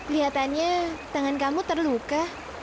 lihatannya tangan kamu terluka